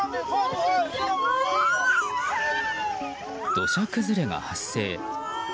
土砂崩れが発生。